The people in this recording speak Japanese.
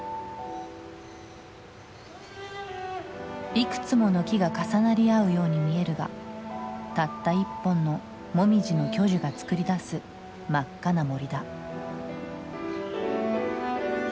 いくつもの木が重なり合うように見えるがたった一本のモミジの巨樹が作り出す真っ赤な森だ。